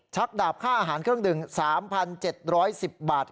ดาบค่าอาหารเครื่องดื่ม๓๗๑๐บาท